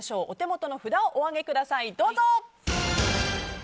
お手元の札をお上げください。